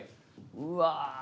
うわ。